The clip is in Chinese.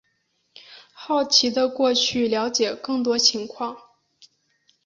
好奇的过去了解更多情况